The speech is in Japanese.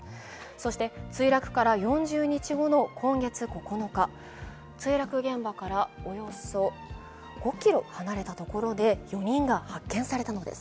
そして、墜落から４０日後の今月９日、墜落現場からおよそ５ｋｍ離れたところで、４人が発見されました。